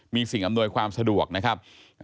มีสิ่งอำนวยความสะดวกนะครับ